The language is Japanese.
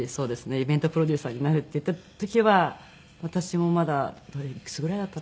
イベントプロデューサーになるって言った時は私もまだいくつぐらいだったのかな。